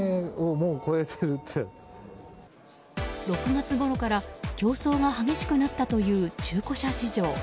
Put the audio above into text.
６月ごろから競争が激しくなったという中古車市場。